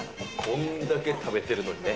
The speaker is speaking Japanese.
こんだけ食べてるのにね。